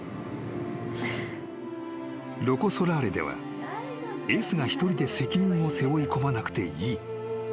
［ロコ・ソラーレではエースが一人で責任を背負い込まなくていい］